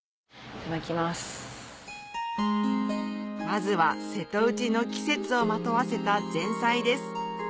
まずは瀬戸内の季節をまとわせた前菜です